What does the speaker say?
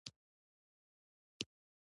تور قلم رسمي ښکاري.